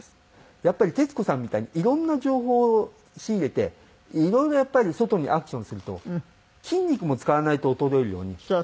やっぱり徹子さんみたいにいろんな情報を仕入れていろいろやっぱり外にアクションすると筋肉も使わないと衰えるように脳みそも衰える。